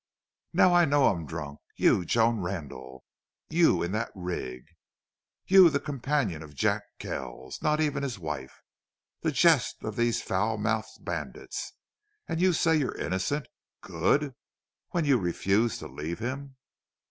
"Now, I know I'm drunk.... You, Joan Randle! You in that rig! You the companion of Jack Kells! Not even his wife! The jest of these foul mouthed bandits! And you say you're innocent good?... When you refused to leave him!"